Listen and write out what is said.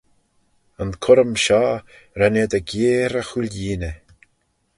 Yn currym shoh ren eh dy geyre y chooilleeney.